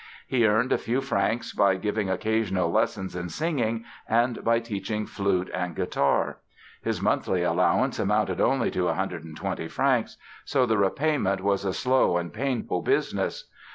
He earned a few francs by giving occasional lessons in singing and by teaching flute and guitar. His monthly allowance amounted only to 120 francs, so the repayment was a slow and painful business.